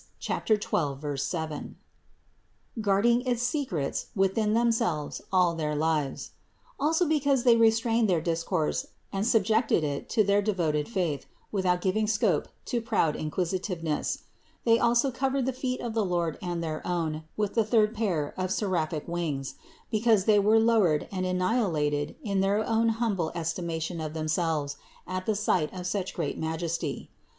12, 7), guarding its secrets within themselves all their lives; also because they restrained their discourse and subjected it to their devoted faith, without giving scope to proud inquisitiveness. They also covered the feet of the Lord and their own with the third pair of seraphic wings, because they were lowered and annihilated in their own humble estimation of them selves at the sight of such great Majesty.